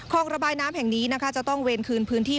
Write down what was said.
คลองระบายน้ำแห่งนี้จะต้องเวนคืนพื้นที่